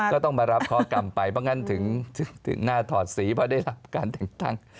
ก็ต้องมารับข้อกรรมไปเพราะงั้นถึงหน้าถอดสีเพราะได้รับการแต่งตั้ง